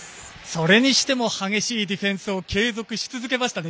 それにしても激しいディフェンスを継続し続けましたね